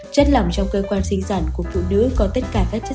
chất lỏng trong cơ quan sinh dẫn của phụ nữ có tất cả các chất diễn